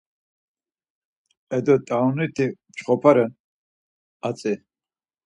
E do, t̆aroniti mçxvapa ren hatzi.